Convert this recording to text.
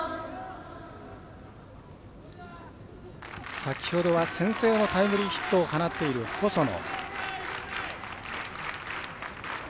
先ほどは先制のタイムリーヒットを放っている、細野。